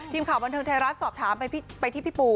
ทีมข่าวบันเทิงไทยรัฐสอบถามไปที่พี่ปู